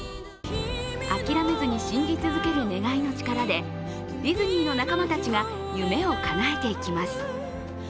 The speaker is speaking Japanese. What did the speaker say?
あきらめずに信じ続ける夢の力でディズニーの仲間たちが夢をかなえていきます。